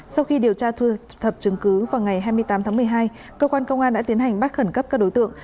sau khi điều tra thu thập chứng cứ vào ngày hai mươi tám tháng một mươi hai cơ quan công an đã tiến hành bắt khẩn cấp các đối tượng